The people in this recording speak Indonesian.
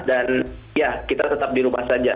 dan ya kita tetap di rumah saja